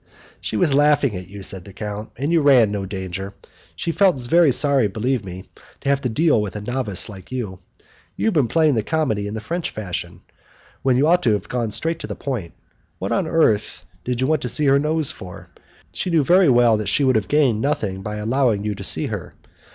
"She was laughing at you," said the count, "and you ran no danger. She felt very sorry, believe me, to have to deal with a novice like you. You have been playing the comedy in the French fashion, when you ought to have gone straight to the point. What on earth did you want to see her nose for? She knew very well that she would have gained nothing by allowing you to see her.